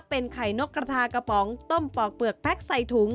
เป็นไข่นกกระทากระป๋องต้มปอกเปลือกแก๊กใส่ถุง